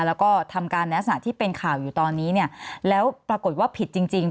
แล้วก็ทำการแนะสนาที่เป็นข่าวอยู่ตอนนี้แล้วปรากฏว่าผิดจริง